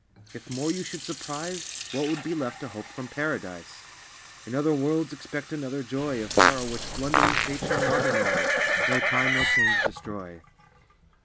If more you should surprise, What would be left to hope from Paradise? In other worlds expect another joy Of Her, which blundering fate shall not annoy, Nor time nor change destroy."